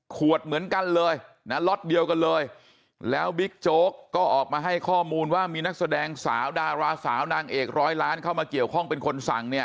เหมือนกันเลยนะล็อตเดียวกันเลยแล้วบิ๊กโจ๊กก็ออกมาให้ข้อมูลว่ามีนักแสดงสาวดาราสาวนางเอกร้อยล้านเข้ามาเกี่ยวข้องเป็นคนสั่งเนี่ย